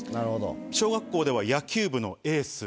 小学校では野球部のエース。